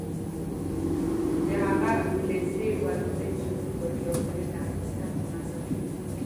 د هغه لېسې ودانۍ چې موږ په کې ازموینه اخیسته منظمه وه.